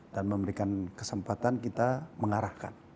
memberikan kesempatan kita mengarahkan